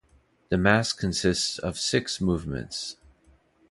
The mass consists of six movements.